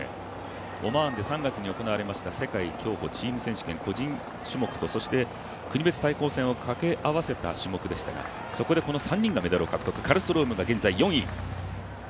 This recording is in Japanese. オマーンで３月に行われました、世界競歩チーム選手権での個人種目と、国別対抗戦を掛け合わせた種目でしたがそこでこの３人がメダルを獲得、カルストロームが現在、４位。